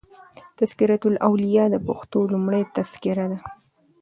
"تذکرة الاولیا" دپښتو لومړۍ تذکره ده.